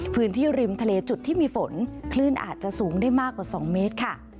พื้นที่ริมทะเลจุดที่มีฝนคลื่นอาจจะสูงได้มากกว่า๒เมตรค่ะ